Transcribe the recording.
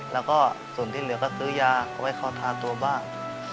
แล้วก็ส่วนที่เหลือก็ซื้อยาเขาไว้เขาทาตัวบ้าง